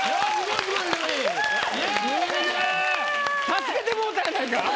助けてもろうたやないか！